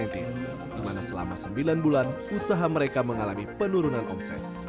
di mana selama sembilan bulan usaha mereka mengalami penurunan omset